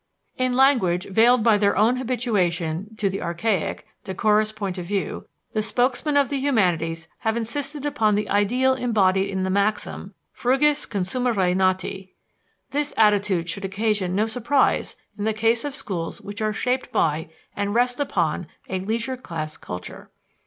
In language veiled by their own habituation to the archaic, decorous point of view, the spokesmen of the humanities have insisted upon the ideal embodied in the maxim, fruges consumere nati. This attitude should occasion no surprise in the case of schools which are shaped by and rest upon a leisure class culture.